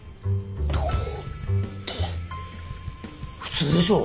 どうって普通でしょう。